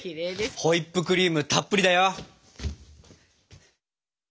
ホイップクリームたっぷりだよ。